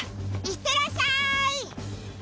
いってらっしゃい！